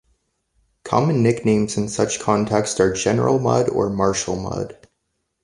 Common nicknames in such context are "General Mud" or "Marshal Mud".